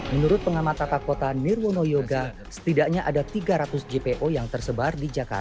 menurut pengamat kata kota nirwono yoga setidaknya ada tiga ratus jpo yang tersebar